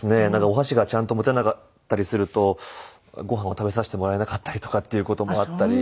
お箸がちゃんと持てなかったりするとご飯を食べさせてもらえなかったりとかっていう事もあったり。